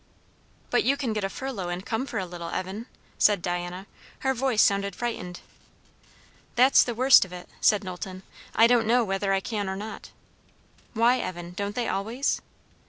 "But you can get a furlough and come for a little while, Evan?" said Diana; her voice sounded frightened. "That's the worst of it!" said Knowlton. "I don't know whether I can or not." "Why, Evan? don't they always?"